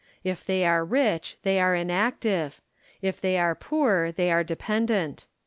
If they are rich they are inactive ; if they are poor they are dependent.